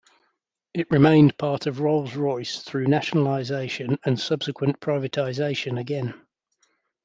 It remained part of Rolls Royce though nationalization and subsequent privatization again.